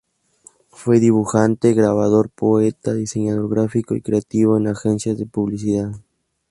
Fue dibujante, grabador, poeta, diseñador gráfico y creativo en agencias de publicidad.